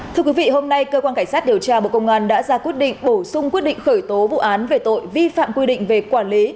thưa quý vị hôm nay cơ quan cảnh sát điều tra bộ công an đã ra quyết định bổ sung quyết định khởi tố vụ án về tội vi phạm quy định về quản lý